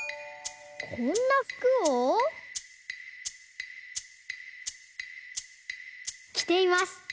こんな服をきています。